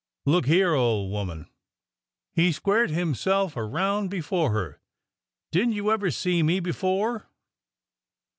Look here, old woman !" He squared himself around before her. " Did n't you ever see me before